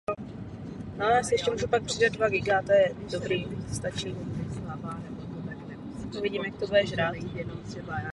Neměl tudíž ani svůj program.